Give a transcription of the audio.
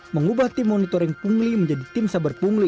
mengubah tim monitoring pungli menjadi tim saber pungli